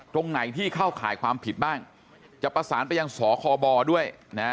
ตรงไหนที่เข้าข่ายความผิดบ้างจะประสานไปยังสคบด้วยนะ